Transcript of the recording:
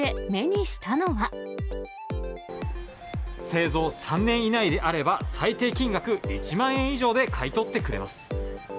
製造３年以内であれば、最低金額１万円以上で買い取ってくれます。